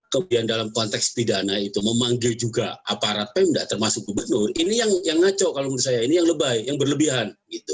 kemudian dalam konteks pidana itu memanggil juga aparat pemda termasuk gubernur ini yang ngaco kalau menurut saya ini yang lebay yang berlebihan